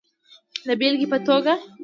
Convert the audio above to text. د بیلګی په توکه